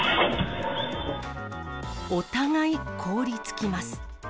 お互い凍りつきます。